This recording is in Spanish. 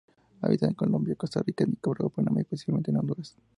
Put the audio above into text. Habita en Colombia, Costa Rica, Nicaragua, Panamá y posiblemente en Honduras.